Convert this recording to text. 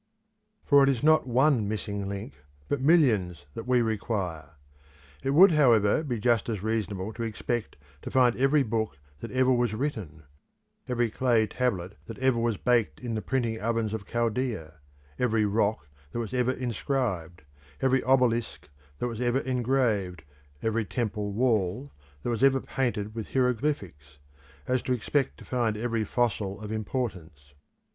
For it is not one missing link, but millions, that we require. It would however be just as reasonable to expect to find every book that ever was written; every clay tablet that ever was baked in the printing ovens of Chaldaea; every rock that was ever inscribed; every obelisk that was ever engraved, every temple wall that was ever painted with hieroglyphics, as to expect to find every fossil of importance.